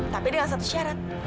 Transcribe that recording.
tapi dengan satu syarat